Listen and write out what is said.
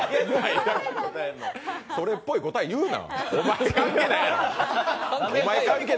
それっぽい答え、言うな。